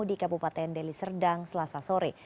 di kabupaten deli serdang selasa sore